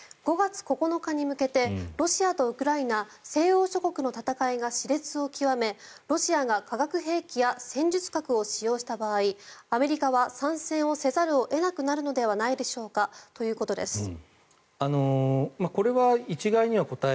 ５月９日に向けてロシアとウクライナ西欧諸国の戦いが熾烈を極めロシアが化学兵器や戦術核を使用した場合アメリカは参戦せざる得なくなるのではないでしょうかとのことです。